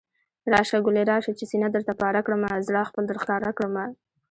راشه ګلي راشه، چې سينه درته پاره کړمه، زړه خپل درښکاره کړمه